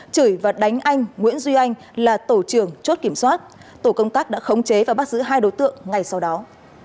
chửi và đánh anh nguyễn duy anh là tổ trưởng chốt kiểm soát tổ công tác đã khống chế và bắt giữ hai đối tượng ngay sau đó